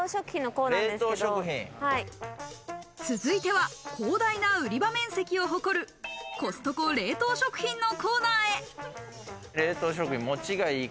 続いては広大な売り場面積を誇る、コストコ冷凍食品のコーナーへ。